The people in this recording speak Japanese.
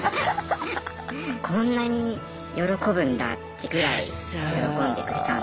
こんなに喜ぶんだってぐらい喜んでくれたんで。